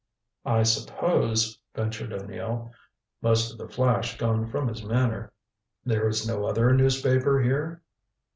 "I suppose," ventured O'Neill, most of the flash gone from his manner, "there is no other newspaper here?"